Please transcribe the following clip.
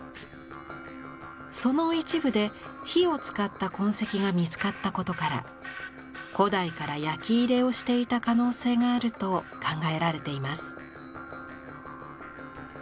その一部で火を使った痕跡が見つかったことから古代から焼き入れをしていた可能性があると考えられています。